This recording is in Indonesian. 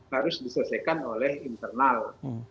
harus diselesaikan oleh internal